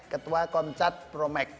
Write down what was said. ketua komcat promeg